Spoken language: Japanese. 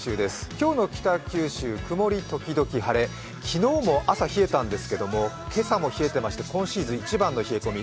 今日の北九州、曇り時々晴れ昨日も朝、冷えたんですけど今朝も冷えてまして今シーズン一番の冷え込み。